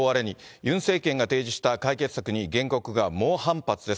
ユン政権が提示した解決策に、原告が猛反発です。